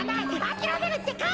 あきらめるってか。